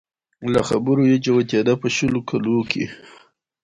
له خبرو يې جوتېده په د شلو کلو کې